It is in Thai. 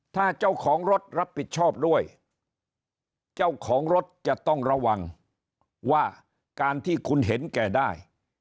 ถ้าเจ้าของรถรับผิดชอบด้วยเจ้าของรถจะต้องระวังว่าการที่คุณเห็นแก่ได้